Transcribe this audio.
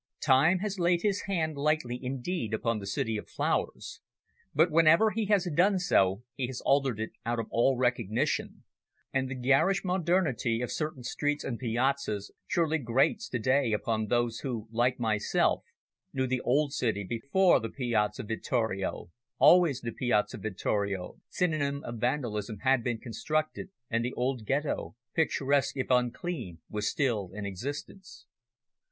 Time has laid his hand lightly indeed upon the City of Flowers, but whenever he has done so he has altered it out of all recognition, and the garish modernity of certain streets and piazzas surely grates to day upon those who, like myself, knew the old city before the Piazza Vittorio always the Piazza Vittorio, synonym of vandalism had been constructed, and the old Ghetto, picturesque if unclean, was still in existence.